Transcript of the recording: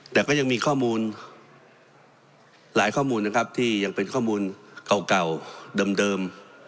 แต่ก็ยังมีข้อมูลหลายข้อมูลนะครับที่ยังเป็นข้อมูลเก่าเดิม